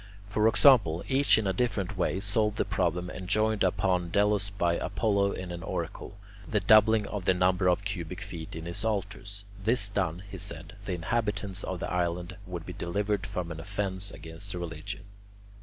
For example, each in a different way solved the problem enjoined upon Delos by Apollo in an oracle, the doubling of the number of cubic feet in his altars; this done, he said, the inhabitants of the island would be delivered from an offence against religion.